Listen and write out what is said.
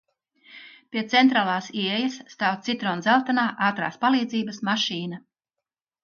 Pie centrālās ieejas stāv citrondzeltenā ātrās palīdzības mašīna.